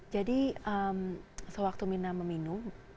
jadi sewaktu myrna meminum